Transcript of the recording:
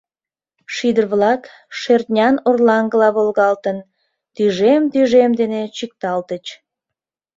Шӱдыр-влак, шӧртнян орлаҥгыла волгалтын, тӱжем-тӱжем дене чӱкталтыч.